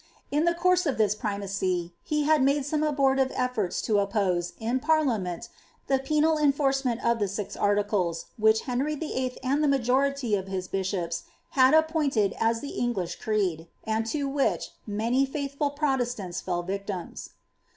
In the course of ^ this primacy, he had made some abortive efforts to oppose, in purllsmenti the penni enforcement of the six articles, which Henry V'HI. and the ma jority of his bishops had appointed as the English creed, and to which many faithful Protestants fell victims.